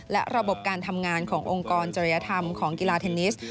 และระบบการทำงานขององค์กรจริยธรรมของกีฬาเทนนิส